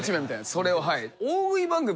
それをはい。